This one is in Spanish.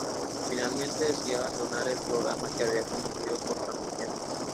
Finalmente decide abandonar el programa que había conducido por tanto tiempo.